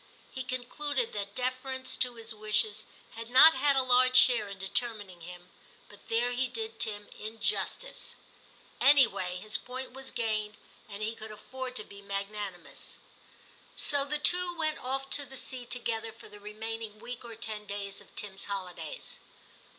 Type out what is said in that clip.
He concluded that deference to his wishes had not had a large share in determining him, but there he did Tim injustice. Any way his point was gained, and he could afford to be magnanimous ; so the two went T 274 TIM CHAP. off to the sea together for the remaining week or ten days of Tim's holidays.